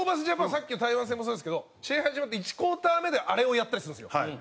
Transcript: さっきの台湾戦もそうですけど試合始まって１クオーター目であれをやったりするんですよ。